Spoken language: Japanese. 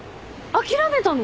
諦めたの？